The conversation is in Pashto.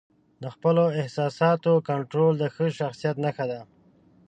د خپلو احساساتو کنټرول د ښه شخصیت نښه ده.